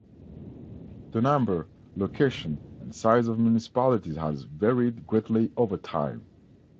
The number, location, and size of municipalities has varied greatly over time.